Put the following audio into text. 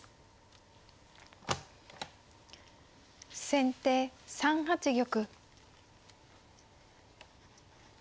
先手３八玉。